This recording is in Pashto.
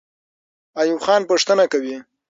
ایوب خان پوښتنه کوي.